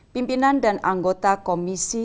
pimpinan dan anggota komisi